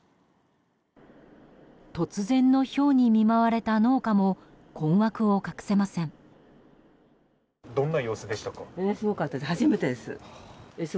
突然のひょうに見舞われた農家も困惑を隠せません。